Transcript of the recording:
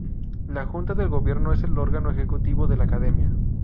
La Junta de Gobierno es el órgano ejecutivo de la Academia.